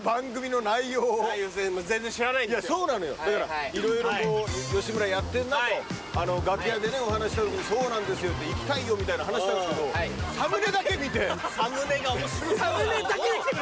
いやそうなのよだから色々こう吉村やってんなと楽屋でねお話しした時にそうなんですよって行きたいよみたいな話したんですけどサムネだけで来てくれたんですか？